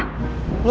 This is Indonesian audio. nanti gue jalan